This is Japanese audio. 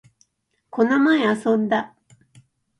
この前、遊んだ